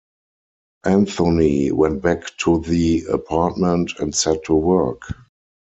Anthony went back to the apartment and set to work.